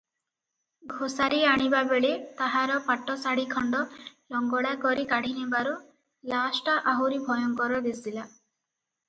ଘୋଷାରି ଆଣିବାବେଳେ ତାହାର ପାଟଶାଢ଼ୀ ଖଣ୍ତ ଲଙ୍ଗଳାକରି କାଢ଼ିନେବାରୁ ଲାସ୍ଟା ଆହୁରି ଭୟଙ୍କର ଦିଶିଲା ।